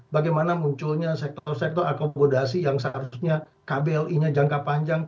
bagaimana munculnya sektor sektor akomodasi yang seharusnya kbli nya jangka panjang